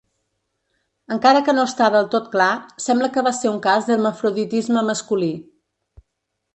Encara que no està del tot clar, sembla que va ser un cas d'hermafroditisme masculí.